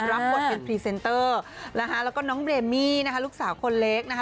รับบทเป็นพรีเซนเตอร์นะคะแล้วก็น้องเรมี่นะคะลูกสาวคนเล็กนะคะ